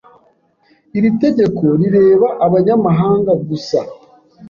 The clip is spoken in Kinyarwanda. Iri tegeko rireba abanyamahanga gusa.